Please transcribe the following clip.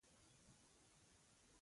لمسی لمسي لمسې